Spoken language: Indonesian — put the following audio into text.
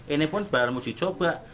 ini pun baru dicoba